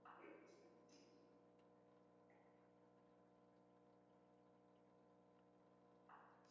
Washoghonoka ukisarigha mdinyi